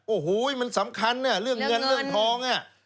โอ้โหมันสำคัญเรื่องเงินเรื่องพองนะเรื่องเงิน